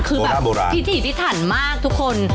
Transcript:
ทุกอย่างคือพิธีที่ถันมากทุกคน